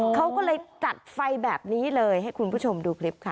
เขาก็เลยจัดไฟแบบนี้เลยให้คุณผู้ชมดูคลิปค่ะ